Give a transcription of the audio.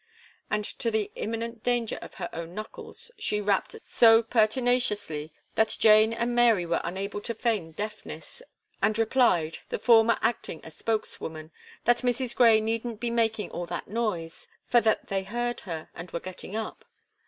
And to the imminent danger of her own knuckles, she rapped so pertinaciously, that Jane and Mary were unable to feign deafness, and replied, the former acting as spokeswoman, that Mrs. Gray needn't be making all that noise; for that they heard her, and were getting up.